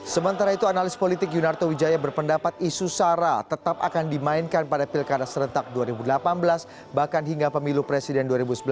sementara itu analis politik yunarto wijaya berpendapat isu sara tetap akan dimainkan pada pilkada serentak dua ribu delapan belas bahkan hingga pemilu presiden dua ribu sembilan belas